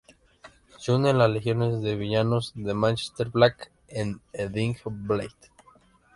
Se une a las Legiones de Villanos de Manchester Black en "Ending Battle".